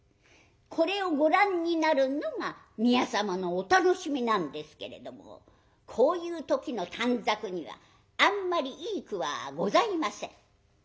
これをご覧になるのが宮様のお楽しみなんですけれどもこういう時の短冊にはあんまりいい句はございません。